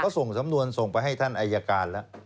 ส่งสำนวนส่งไปให้ท่านอายการแล้ว